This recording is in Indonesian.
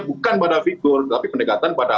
bukan pada figur tapi pendekatan pada